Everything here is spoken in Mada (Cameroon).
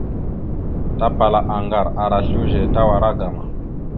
Tapala aŋgar ara slʉze tawara agam.